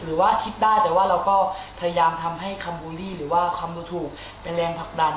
หรือว่าคิดได้แต่ว่าเราก็พยายามทำให้คัมบูลลี่หรือว่าคำดูถูกเป็นแรงผลักดัน